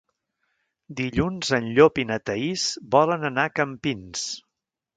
Dilluns en Llop i na Thaís volen anar a Campins.